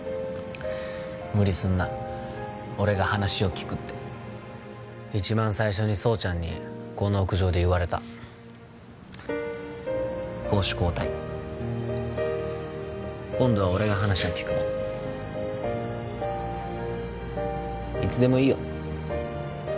「無理すんな俺が話を聞く」って一番最初に蒼ちゃんにこの屋上で言われた攻守交代今度は俺が話を聞く番いつでもいいよ